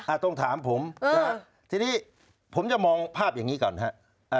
ถ้าต้องถามผมทีนี้ผมจะมองภาพอย่างนี้ก่อนครับ